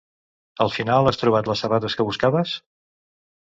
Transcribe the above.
Al final has trobat les sabates que buscaves?